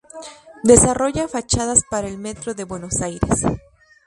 Desarrolla fachadas para el metro de Buenos Aires.